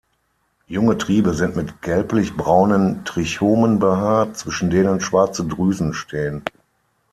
Junge Triebe sind mit gelblich-braunen Trichomen behaart, zwischen denen schwarze Drüsen stehen.